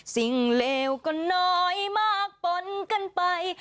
เลวก็น้อยมากปนกันไป